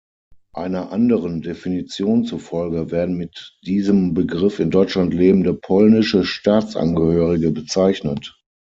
Einer anderen Definition zufolge werden mit diesem Begriff in Deutschland lebende polnische Staatsangehörige bezeichnet.